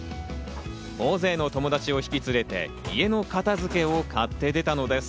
大勢の友達を引き連れて家の片付けを買って出たのです。